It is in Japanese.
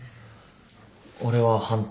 俺は反対。